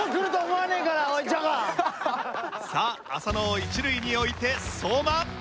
さあ浅野を一塁に置いて相馬。